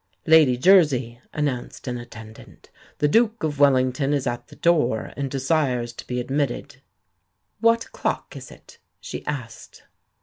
"Lady Jersey," announced an attendant, "the Duke of Wellington is at the door, and desires to be admitted." "What o'clock is it?" she asked.